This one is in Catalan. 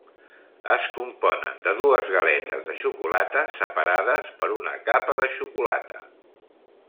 Es componen de dues galetes de xocolata separades per una capa de xocolata.